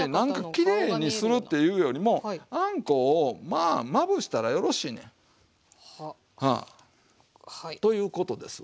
きれいにするっていうよりもあんこをまぶしたらよろしいねん。ということですわ。